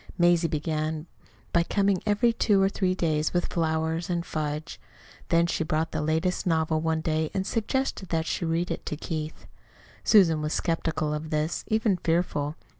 Mazie began by coming every two or three days with flowers and fudge. Then she brought the latest novel one day and suggested that she read it to Keith. Susan was skeptical of this, even fearful.